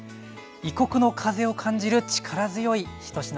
異国の風を感じる力強い一品でした。